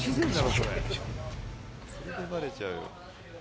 それでバレちゃうよ。